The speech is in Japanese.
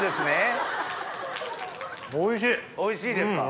おいしいですか。